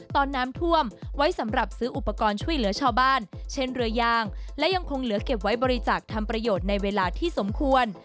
ตอนน้ำท่วมไว้สำหรับซื้ออุปกรณ์ช่วยเหลือชาวบ้านเช่นเรือยางและยังคงเหลือเก็บไว้บริจาคทำประโยชน์ในเวลาที่สมควร